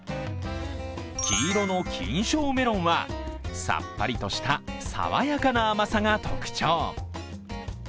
黄色のキンショーメロンは、さっぱりとした爽やかな甘さが特徴。